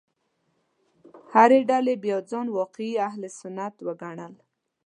هرې ډلې بیا ځان واقعي اهل سنت وګڼل.